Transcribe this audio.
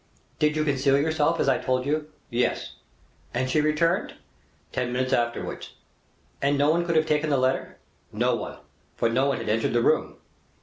"Did you conceal yourself as I told you?" "Yes." "And she returned?" "Ten minutes afterwards." "And no one could have taken the letter?" "No one; for no one had entered the room."